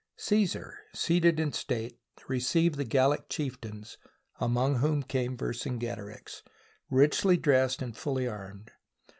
Caesar, seated in state, received the Gallic chieftains, among whom came Vercingetorix, richly dressed and fully armed.